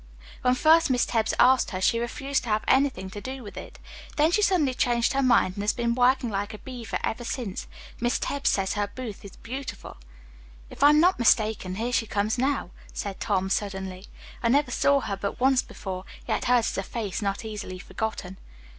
"When first Miss Tebbs asked her she refused to have anything to do with it. Then she suddenly changed her mind and has been working like a beaver ever since. Miss Tebbs says her booth is beautiful." "If I'm not mistaken here she comes now," said Tom suddenly. "I never saw her but once before, yet hers is a face not easily forgotten."